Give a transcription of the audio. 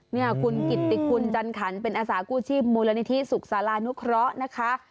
เนี่ยคุณกิตติคุณจันขันเป็นอาสากู้ชีพมูลนิธิสุขศาลานุเคราะห์นะคะ